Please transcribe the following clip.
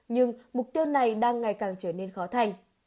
nhưng mục tiêu này đang ngày càng trở nên khó khăn